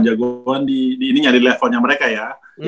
jagoan di ini nyari levelnya mereka ya